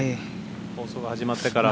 放送が始まってから。